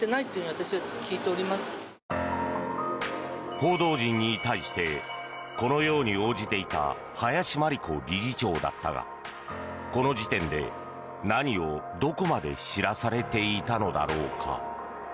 報道陣に対してこのように応じていた林真理子理事長だったがこの時点で何をどこまで知らされていたのだろうか。